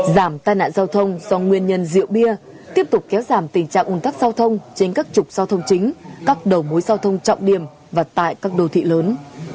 giảm tai nạn giao thông do nguyên nhân rượu bia tiếp tục kéo giảm tình trạng ủn tắc giao thông trên các trục giao thông chính các đầu mối giao thông trọng điểm và tại các đô thị lớn